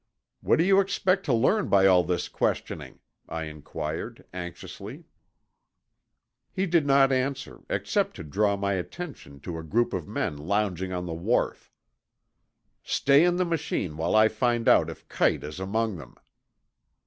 "What do you expect to learn by all this questioning?" I inquired anxiously. He did not answer except to draw my attention to a group of men lounging on the wharf. "Stay in the machine while I find out if Kite is among them."